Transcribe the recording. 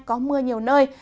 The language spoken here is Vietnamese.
có mưa nhiều nơi